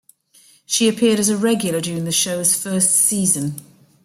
She appeared as a regular during the shows first season.